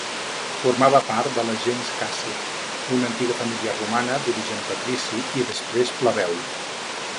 Formava part de la gens Càssia, una antiga família romana d'origen patrici i després plebeu.